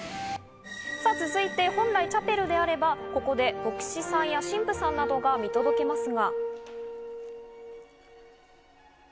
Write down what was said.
続いて本来、チャペルであればここで牧師さんや神父さんなどが見届けますが。